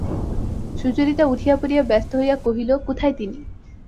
সুচরিতা উঠিয়া পড়িয়া ব্যস্ত হইয়া কহিল, কোথায় তিনি?